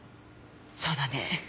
そうだね。